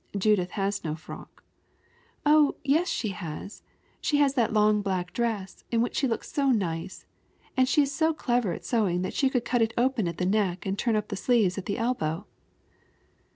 "Judith has no frock." "Oh, yes she has. She has that long black dress, in which she looks so nice, and she is so clever at sewing she could cut it open at the neck and turn up the sleeves at the elbow."